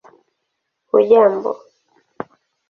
hujambo